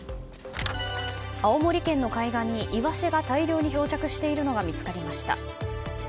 青森県の海岸にイワシが大量に漂着しているのが見つかりました。